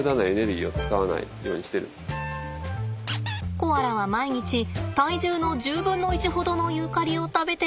コアラは毎日体重の１０分の１ほどのユーカリを食べています。